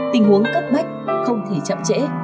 tình huống cấp bách không thể chậm trễ